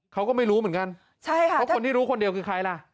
เขาก็ไม่รู้เหมือนกันใช่ค่ะเพราะคนที่รู้คนเดียวคือใครล่ะ